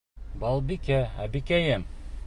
Балбикә, әбекәйем!